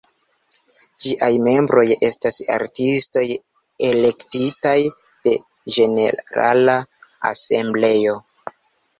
Ĝiaj membroj estas artistoj elektitaj de ĝenerala asembleo.